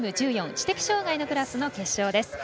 知的障がいのクラスの決勝です。